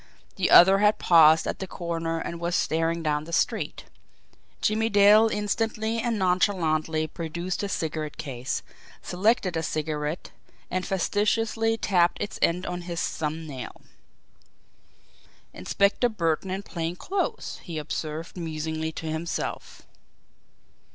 The other had paused at the corner and was staring down the street. Jimmie Dale instantly and nonchalantly produced his cigarette case, selected a cigarette, and fastidiously tapped its end on his thumb nail. "Inspector Burton in plain clothes," he observed musingly to himself.